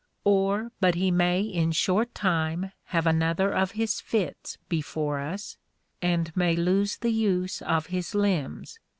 or but he may in short time have another of his Fits before us, and may lose the use of his limbs?